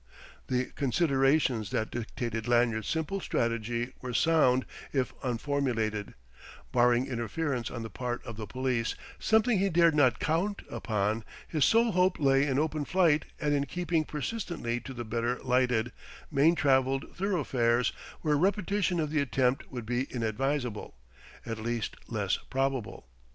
The considerations that dictated Lanyard's simple strategy were sound if unformulated: barring interference on the part of the police something he dared not count upon his sole hope lay in open flight and in keeping persistently to the better lighted, main travelled thoroughfares, where a repetition of the attempt would be inadvisable at least, less probable.